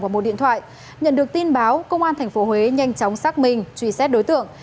và một điện thoại nhận được tin báo công an tp huế nhanh chóng xác minh truy xét đối tượng